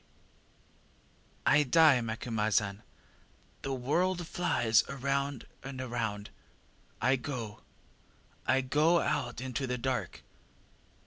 ŌĆÖ ŌĆ£ŌĆśI die, Macumazahn the world flies round and round. I go I go out into the dark!